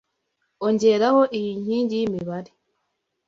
Ongeraho iyi nkingi yimibare.